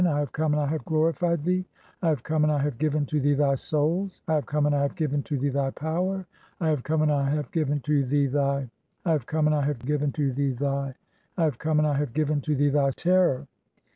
(37) "I have come, and I have glorified thee. (38) "I have come, and I have given [to thee] thy souls. (3g) "I have come, and I have given [to thee] thy power. (40) "I have come, and I have given [to thee thy] (41) "I have come, and I have given [to thee thy] (42) "I have come, and I have given [to thee] thy terror.